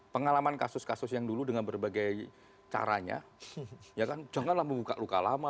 pengalaman kasus kasus yang dulu dengan berbagai caranya ya kan janganlah membuka luka lama